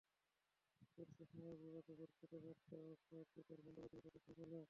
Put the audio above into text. তুরস্কে সামাজিক যোগাযোগের খুদে বার্তা ওয়েবসাইট টুইটার বন্ধ করে দিয়েছেন দেশটির আদালত।